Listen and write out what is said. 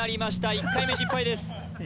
１回目失敗です